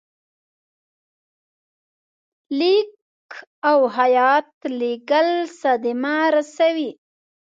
لیک او هیات لېږل صدمه رسوي.